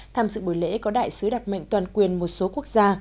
tham dự buổi lễ có đại sứ đặc mệnh toàn quyền một số quốc gia